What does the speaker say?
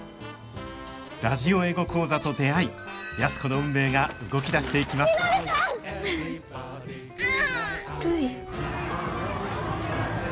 ラジオ英語講座と出会い安子の運命が動き出していきまするい。